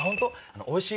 おいしい